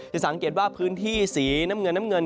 จะสังเกตว่าพื้นที่สีน้ำเงินน้ำเงิน